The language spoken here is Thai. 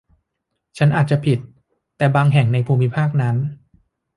ฉันอาจจะผิด แต่บางแห่งในภูมิภาคนั้น